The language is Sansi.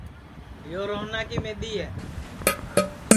یو روہنا کی مِدؔی ہے